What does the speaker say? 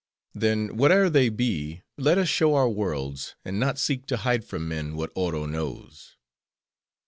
Then, whate'er they be, let us show our worlds; and not seek to hide from men, what Oro knows."